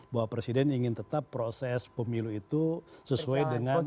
bahwa presiden ingin tetap proses pemilu itu sesuai dengan